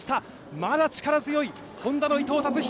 まだ力強い、Ｈｏｎｄａの伊藤達彦。